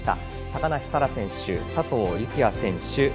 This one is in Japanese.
高梨沙羅選手、佐藤幸椰選手